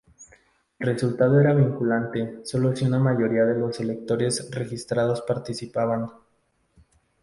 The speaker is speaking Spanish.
El resultado era vinculante solo si una mayoría de los electores registrados participaban.